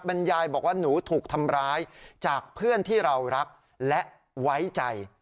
บรรยายบอกว่าหนูถูกทำร้ายจากเพื่อนที่เรารักและไว้ใจ